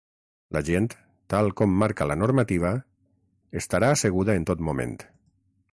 La gent, tal com marca la normativa, estarà asseguda en tot moment.